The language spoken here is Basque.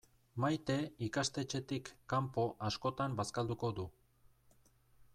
Maite ikastetxetik kanpo askotan bazkalduko du.